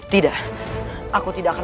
tidak aku tidak akan